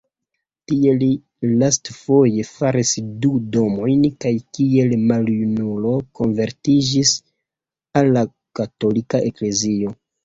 Tie li lastfoje faris du domojn kaj kiel maljunulo konvertiĝis al la Katolika Eklezio.